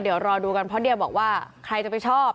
เดี๋ยวรอดูกันเพราะเดียบอกว่าใครจะไปชอบ